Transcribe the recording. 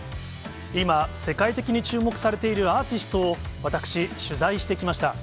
今、世界的に注目されているアーティストを、私、取材してきました。